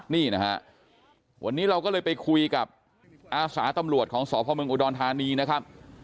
นี่นะฮะวันนี้เราก็เลยไปคุยกับอาสาตำรวจของสพเมืองอุดรธานีนะครับ